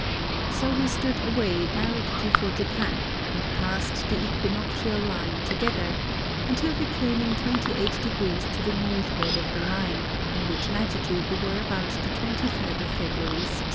So we stood away directly for Japan, and passed the equinoctial line together, until we came in twenty eight degrees to the northward of the line, in which latitude we were about the twenty third of February, 1600.